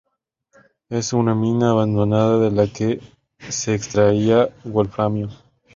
Es una mina abandonada de la que se extraía wolframio.